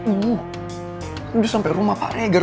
udah sampe rumah pak regar